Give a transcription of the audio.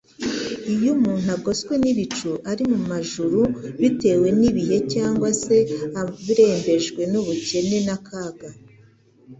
Iyo umuntu agoswe n'ibicu, ari mu majuru ,bitewe n'ibihe cyangwa se arembejwe n'ubukene n'akaga,